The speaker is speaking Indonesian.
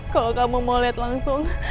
kalau kamu mau lihat langsung